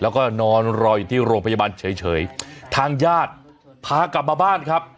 แล้วก็นอนรออยู่ที่โรงพยาบาลเฉยเฉยทางญาติพากลับมาบ้านครับ